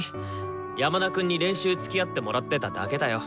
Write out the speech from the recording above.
山田くんに練習つきあってもらってただけだよ。